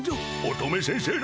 乙女先生の。